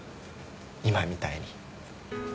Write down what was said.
今みたいに。